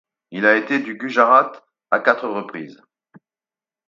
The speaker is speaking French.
Il a été du Gujarat à quatre reprises.